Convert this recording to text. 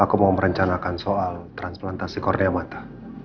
aku mau merencanakan soal transplantasi korea mata